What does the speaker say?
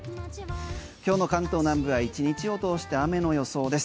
今日の関東南部は１日を通して雨の予想です。